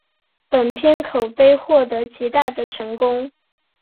本片口碑获得极大的成功。